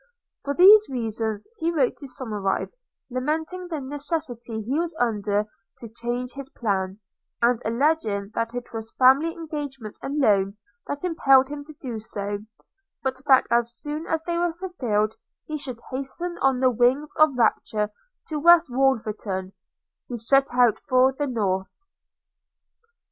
For these reasons he wrote to Somerive, lamenting the necessity he was under to change his plan; and alleging that it was family engagements alone that impelled him to do so, but that as soon as they were fulfilled he should hasten on the wings of rapture to West Wolverton, he set out for the North.